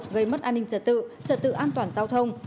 gây mất an ninh trật tự trật tự an toàn giao thông